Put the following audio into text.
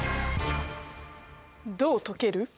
どう解ける？